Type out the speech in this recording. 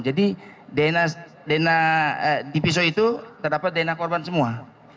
jadi di pisau itu terdapat dna korban semua